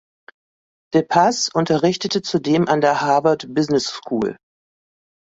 De Passe unterrichtete zudem an der Harvard Business School.